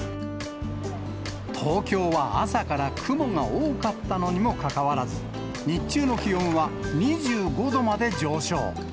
東京は、朝から雲が多かったのにもかかわらず、日中の気温は２５度まで上昇。